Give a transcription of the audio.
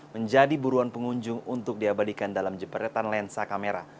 menjadi buruan pengunjung untuk diabadikan dalam jepretan lensa kamera